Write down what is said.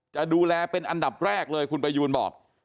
จะดูแลเป็นอันดับแรกเลยคุณประยูนบอก